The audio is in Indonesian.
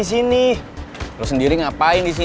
mau lo nyangka kek ini sih